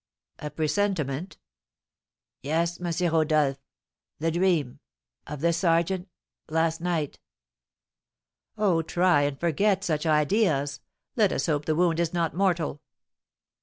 "A presentiment?" "Yes, M. Rodolph the dream of the sergeant last night." "Oh, try and forget such ideas! Let us hope the wound is not mortal."